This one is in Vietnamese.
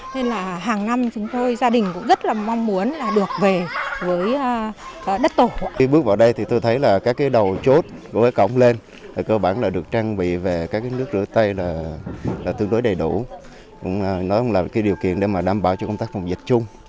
về các nước rửa tay là tương đối đầy đủ nó cũng là điều kiện để đảm bảo cho công tác phòng dịch chung